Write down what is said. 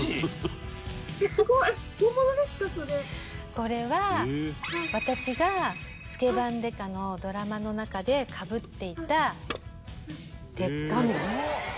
これは私が『スケバン刑事』のドラマの中でかぶっていた鉄仮面。